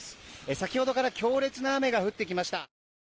先ほどから強烈な雨が降ってきました。